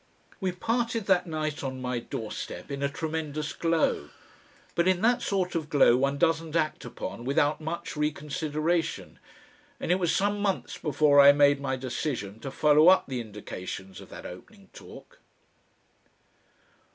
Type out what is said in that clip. We parted that night on my doorstep in a tremendous glow but in that sort of glow one doesn't act upon without much reconsideration, and it was some months before I made my decision to follow up the indications of that opening talk.